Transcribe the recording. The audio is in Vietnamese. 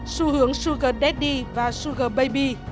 xu hướng sugar daddy và sugar baby